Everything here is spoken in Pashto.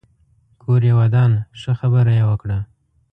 کور يې ودان ښه خبره يې وکړه